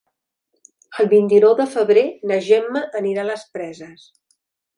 El vint-i-nou de febrer na Gemma anirà a les Preses.